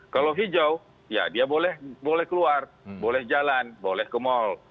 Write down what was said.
kalau hijau ya dia boleh keluar boleh jalan boleh ke mall